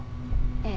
ええ。